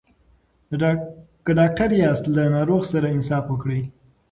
که ډاکټر یاست له ناروغ سره انصاف وکړئ.